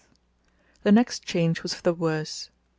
The next change was for the worse.